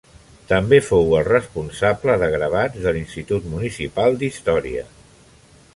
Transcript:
També fou el responsable de gravats de l'Institut Municipal d'Història.